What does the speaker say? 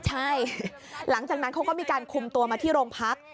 ใช่หลังจากนั้นเขาก็มีการคุมตัวมาที่โรงพัก